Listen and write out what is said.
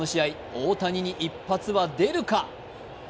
大谷に一発は出るか？